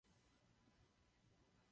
Tento výpis je pouze informativní.